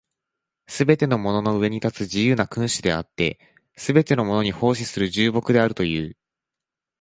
すべてのものの上に立つ自由な君主であって、すべてのものに奉仕する従僕であるという。